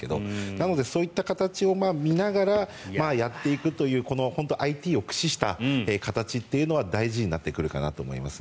なので、そういった形を見ながらやっていくという本当にＩＴを駆使した形というのは大事になってくるかなと思いますね。